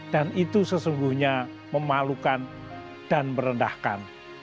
dan itu sesungguhnya memalukan dan merendahkan